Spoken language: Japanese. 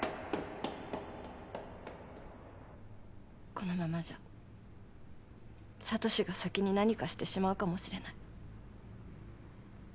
このままじゃ悟志が先に何かしてしまうかもしれない。